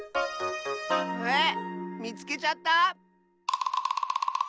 えっみつけちゃった？